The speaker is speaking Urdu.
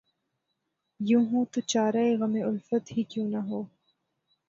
یوں ہو‘ تو چارۂ غمِ الفت ہی کیوں نہ ہو